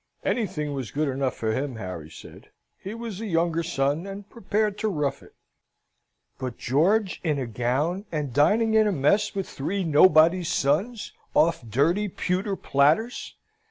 Anything was good enough for him, Harry said; he was a younger son, and prepared to rough it; but George, in a gown, and dining in a mess with three nobody's sons off dirty pewter platters!